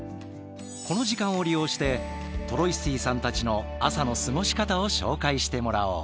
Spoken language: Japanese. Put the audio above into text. この時間を利用してトロイスティさんたちの朝の過ごし方を紹介してもらおう。